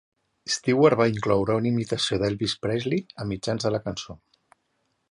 Stewart va incloure una imitació d'Elvis Presley a mitjans de la cançó.